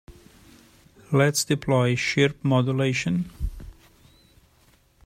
Let's deploy chirp modulation.